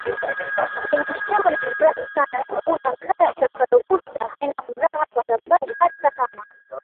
chenye shangwe na furaha sana hakuna kaya utakayokuta haina furaha kwa sababu hata kama